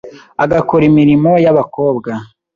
agakora imirimo y’abakobwa